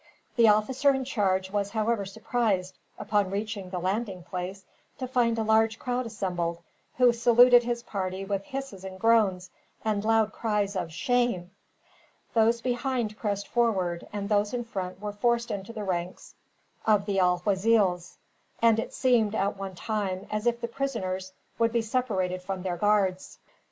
The officer in charge was however surprised, upon reaching the landing place, to find a large crowd assembled, who saluted his party with hisses and groans, and loud cries of "shame!" Those behind pressed forward, and those in front were forced into the ranks of the alguazils; and it seemed, at one time, as if the prisoners would be separated from their guards.